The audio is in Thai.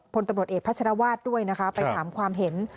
พลตำรวจเอกพัชรวาสด้วยนะคะไปถามความเห็น